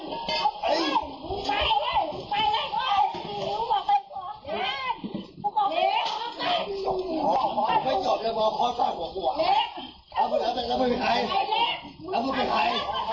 ไป